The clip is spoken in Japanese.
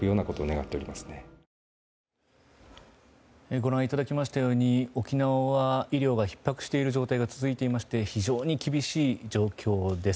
ご覧いただきましたように沖縄は医療がひっ迫している状態が続いていまして非常に厳しい状況です。